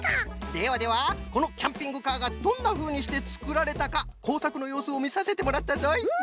ではではこのキャンピングカーがどんなふうにしてつくられたかこうさくのようすをみさせてもらったぞい。